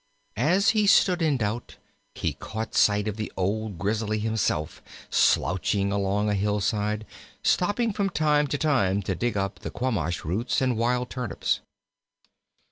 As he stood in doubt, he caught sight of the old Grizzly himself slouching along a hillside, stopping from time to time to dig up the quamash roots and wild turnips.